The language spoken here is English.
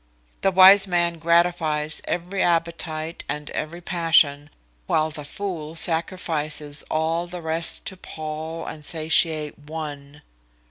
The wise man gratifies every appetite and every passion, while the fool sacrifices all the rest to pall and satiate one.